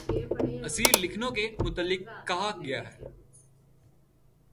اسیر لکھنوی کے متعلق کہا گیا ہے